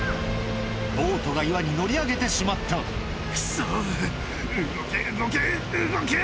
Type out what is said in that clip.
ボートが岩に乗り上げてしまったクソ動け動け！